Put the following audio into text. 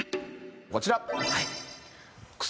こちら！